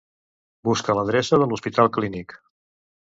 Busca l'adreça de l'Hospital Clínic.